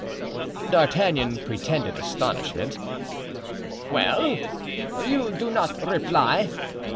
D'Artagnan pretended astonishment. "Well, you do not reply?"